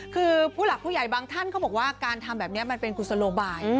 คือผู้หลักผู้ใหญ่บางท่านเขาบอกว่าการทำแบบนี้มันเป็นกุศโลบาย